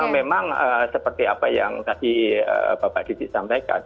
memang seperti apa yang tadi bapak diti sampaikan